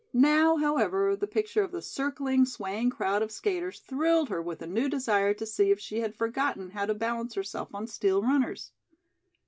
Now, however, the picture of the circling, swaying crowd of skaters thrilled her with a new desire to see if she had forgotten how to balance herself on steel runners.